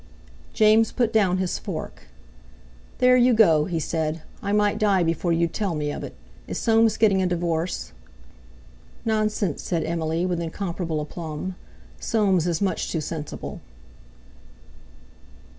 James put down his fork. "There you go," he said. "I might die before you'd tell me of it. Is Soames getting a divorce?" "Nonsense," said Emily with incomparable aplomb; "Soames is much too sensible."